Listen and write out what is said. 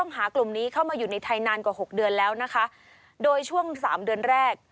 นานกว่า๖เดือนแล้วนะคะโดยช่วง๓เดือนแรก